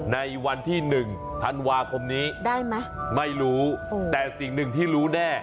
ในวันที่หนึ่งธันวาคมนี้ได้ไหมไม่รู้แต่สิ่งหนึ่งที่รู้แน่